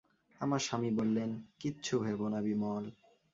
আমার স্বামী বললেন, কিচ্ছু ভেবো না বিমল।